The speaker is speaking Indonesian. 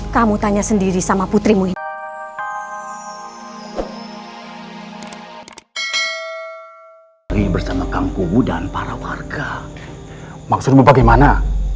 kamu tanya sendiri sama putrimu ini bersama kangkumu dan para warga maksudmu bagaimana